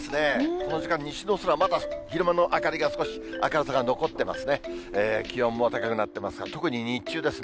この時間、西の空、まだ昼間の明るさが、少し明るさが残ってますね。